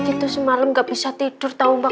gitu semalam gak bisa tidur tau mbak